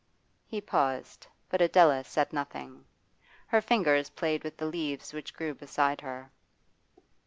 He paused, but Adela said nothing. Her fingers played with the leaves which grew beside her.